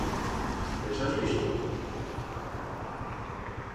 Es has visto?